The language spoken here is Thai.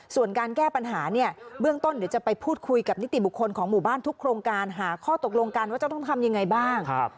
ส่วนการแก้ปัญหาเนี่ยเบื้องต้นเดี๋ยวจะไปพูดคุยกับนิติบุคคลของหมู่บ้านทุกโครงการหาข้อตกลงกันว่าจะต้องทำยังไงบ้าง